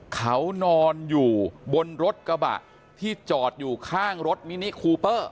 เขานอนอยู่บนรถกระบะที่จอดอยู่ข้างรถมินิคูเปอร์